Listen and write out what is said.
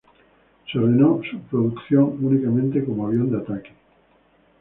Se ordenó su producción únicamente como avión de ataque.